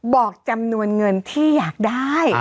บอกจำนวนเงินที่อยากได้